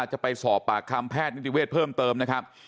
จะไปสอบปากคำแพทย์นิติเวศเพิ่มเติมนะครับ